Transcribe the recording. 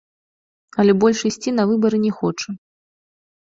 Але больш ісці на выбары не хоча.